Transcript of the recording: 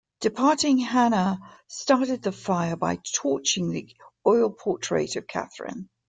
Departing Hannah started the fire by torching the oil portrait of Catherine.